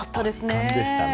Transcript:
圧巻でしたね。